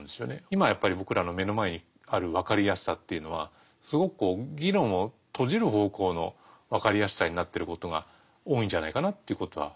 今やっぱり僕らの目の前にあるわかりやすさっていうのはすごくこう議論を閉じる方向のわかりやすさになってることが多いんじゃないかなということは。